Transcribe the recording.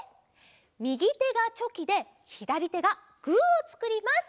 みぎてがチョキでひだりてがグーをつくります。